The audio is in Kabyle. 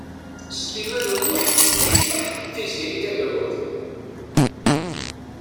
Sliman U Muḥ yecḍeḥ d Tiziri Tagawawt.